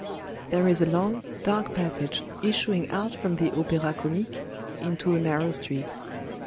There is a long, dark passage issuing out from the Opera Comique into a narrow street.